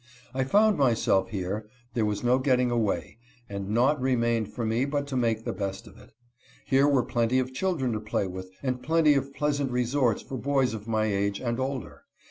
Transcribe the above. I found myself here, there was no getting away, and naught remained for me but to make the best of it." Here~were~plenty ot children to play with and plenty of pleasant resorts for boys of my age and older.